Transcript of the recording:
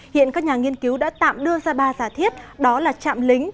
hiện các nhà nghiên cứu đã tạm đưa ra ba giả thiết đó là chạm lính